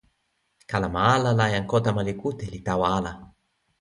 kalama ala la jan Kotama li kute li tawa ala.